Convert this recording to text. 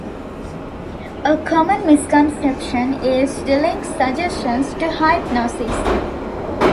A common misconception is to link "suggestion" to "hypnosis".